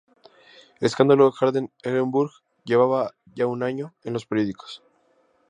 El escándalo Harden-Eulenburg llevaba ya un año en los periódicos.